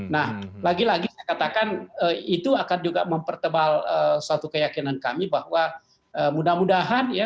nah lagi lagi saya katakan itu akan juga mempertebal suatu keyakinan kami bahwa mudah mudahan ya